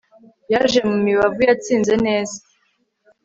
Yaje mu mibavu yatsinze neza